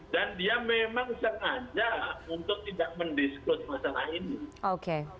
dan dia memang sengaja untuk tidak mendisklus masalah ini